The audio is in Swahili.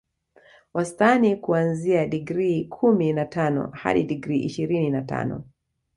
Wastani kuanzia digrii kumi na tano hadi digrii ishirini na tano